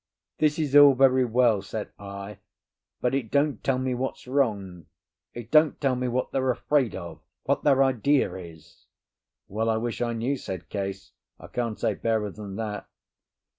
"This is all very well," said I, "but it don't tell me what's wrong; it don't tell me what they're afraid of—what their idea is." "Well, I wish I knew," said Case. "I can't say fairer than that."